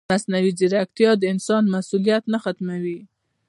مصنوعي ځیرکتیا د انسان مسؤلیت نه ختموي.